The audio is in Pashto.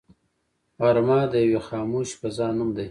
غرمه د یوې خاموشې فضا نوم دی